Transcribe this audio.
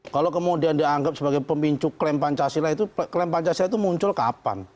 kalau kemudian dianggap sebagai pemicu klaim pancasila itu klaim pancasila itu muncul kapan